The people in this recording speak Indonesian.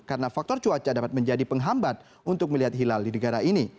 karena faktor cuaca dapat menjadi penghambat untuk melihat hilal di negara ini